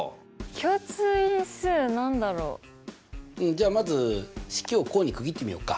じゃあまず式を項に区切ってみようか。